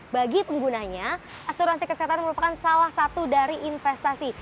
bagi penggunanya asuransi kesehatan merupakan salah satu dari investasi